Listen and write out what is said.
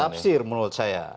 tafsir menurut saya